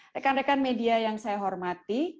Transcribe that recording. rekan rekan media yang saya hormati